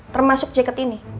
termasuk jaket ini